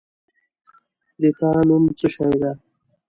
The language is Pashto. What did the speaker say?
د تا نوم څه شی ده؟